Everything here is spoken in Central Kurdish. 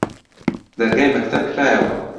دەرگای مەکتەب کرایەوە